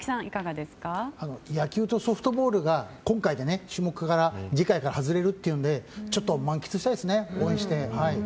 野球とソフトボールが今回で種目から外れるというので満喫したいですね、応援して。